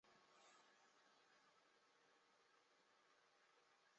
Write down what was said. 他们还与尼泊尔联合共产党否认此种说法。